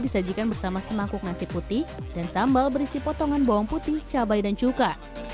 disajikan bersama semangkuk nasi putih dan sambal berisi potongan bawang putih cabai dan cuka